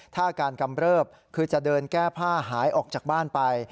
ถ้าอาการกำเริบคือจะเดินแก้ผ้าหายออกจากบ้านไป